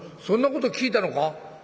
「そんなこと聞いたのか？」。